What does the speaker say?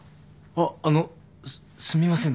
あっあのすみません